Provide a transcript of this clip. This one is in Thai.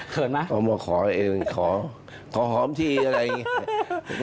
ไหมเอามาขอเองขอขอหอมทีอะไรอย่างนี้